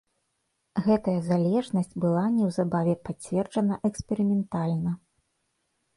Гэтая залежнасць была неўзабаве пацверджана эксперыментальна.